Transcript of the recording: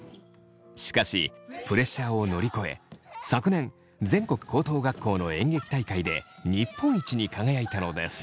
しかしプレッシャーを乗り越え昨年全国高等学校の演劇大会で日本一に輝いたのです。